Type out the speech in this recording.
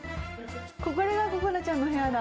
これがここなちゃんの部屋だ。